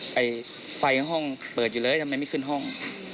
ไฟห้องเปิดอยู่เลยทำไมไม่ขึ้นห้อง